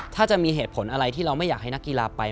ถ้าจะมีเหตุผลอะไรที่เราไม่อยากให้นักกีฬาไป